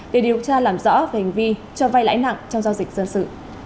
để điều tra làm rõ về hình vi cho vai lãi nặng trong giao dịch dân sự